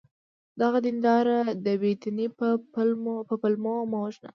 دغه دینداران د بې دینی په پلمو مه وژنه!